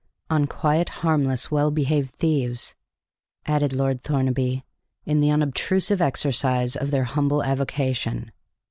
"On quiet, harmless, well behaved thieves," added Lord Thornaby, "in the unobtrusive exercise of their humble avocation."